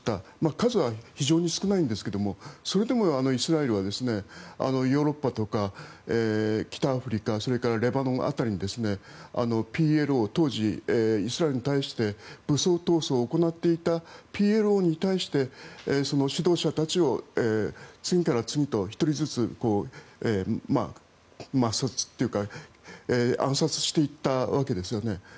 数は非常に少ないんですけどそれでもイスラエルはヨーロッパとか北アフリカそれからレバノン辺りに当時、イスラエルに対して武装闘争を行っていたＰＬＯに対して、首謀者たちを次から次へと１人ずつ抹殺というか暗殺していったわけですよね。